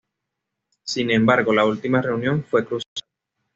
Sin embargo, la última reunión fue crucial.